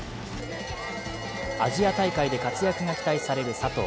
アジア大会で活躍が期待される佐藤。